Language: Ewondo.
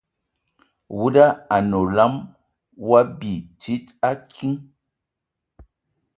Wuda anə olam ya wa bi tsid a kiŋ.